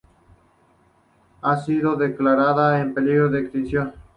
Ha sido declarada en peligro de extinción.